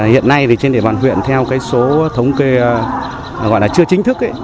hiện nay trên địa bàn huyện theo số thống kê chưa chính thức